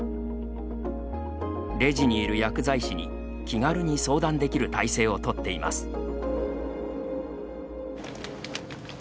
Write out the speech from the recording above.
レジにいる薬剤師に、気軽に相談できる体制を取っています。